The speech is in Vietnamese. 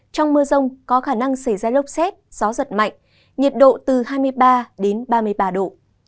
trong mưa rông có khả năng xảy ra lốc xét gió giật mạnh nhiệt độ từ hai mươi ba đến ba mươi ba độ